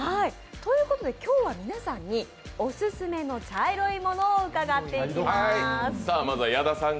今日は皆さんにオススメの茶色いものを伺っていきます。